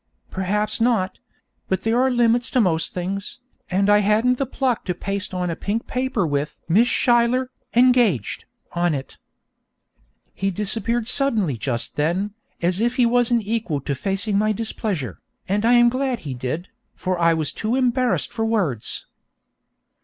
'Perhaps not; but there are limits to most things, and I hadn't the pluck to paste on a pink paper with "Miss Schuyler: Engaged," on it.' He disappeared suddenly just then, as if he wasn't equal to facing my displeasure, and I am glad he did, for I was too embarrassed for words.